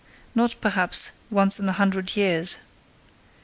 Not, perhaps, once in a hundred years.